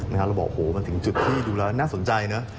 เราบอกโหมันถึงจุดที่ดูแล้วน่าสนใจนะ